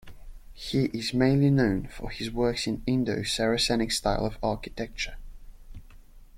He is mainly known for his works in Indo-Saracenic style of architecture.